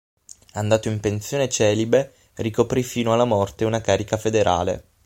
Andato in pensione celibe, ricoprì fino alla morte una carica federale.